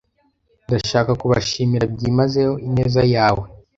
Ndashaka kubashimira byimazeyo ineza yawe.